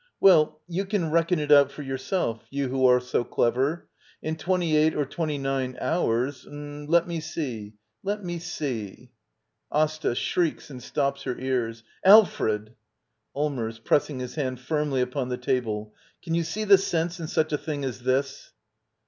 Well, you can reckon it out for your self — you who are so clever. — In twenty eight or twenty nine hours — Let me see — I Let me see —! Asta. [Shrieks and stops her ears.] Alfred! Allmbrs. [Pressing his hand firmly upon the table.] Can you see the sense in such a diing as this?